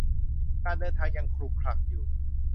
การเดินทางยังขลุกขลักอยู่